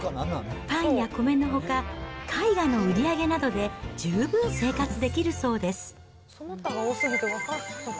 パンや米のほか、絵画の売り上げなどで十分生活できるそうです。